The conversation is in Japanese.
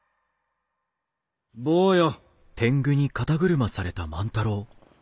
坊よ。